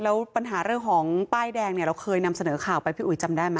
แล้วปัญหาเรื่องของป้ายแดงเนี่ยเราเคยนำเสนอข่าวไปพี่อุ๋ยจำได้ไหม